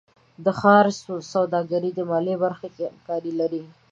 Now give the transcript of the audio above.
د ښار سوداګرۍ د مالیې برخه کې همکاري لري.